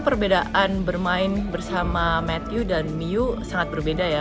tapi kebedaan bermain bersama matthew dan miyu sangat berbeda ya